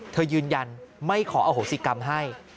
ยืนยันไม่ขออโหสิกรรมให้